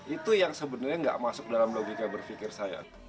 itu yang sebenernya gak masuk dalam logika berpikir saya